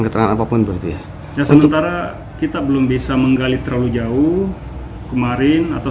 keterangan apapun berarti ya ya sementara kita belum bisa menggali terlalu jauh kemarin atau